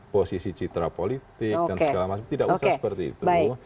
posisi citra politik dan segala macam tidak usah seperti itu